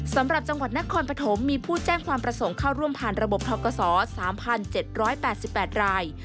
สำหรับจังหวัดนครปฐมมีผู้แจ้งความประสงค์เข้าร่วมผ่านระบบทกศ๓๗๘๘ราย